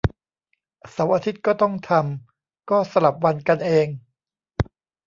เสาร์อาทิตย์ก็ต้องทำ ก็สลับวันกันเอง